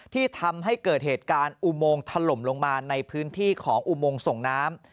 ที่ทำให้เกิดเหตุการณ์อุโมงถล่มลงมาในพื้นที่ของอุโมงส่งน้ำ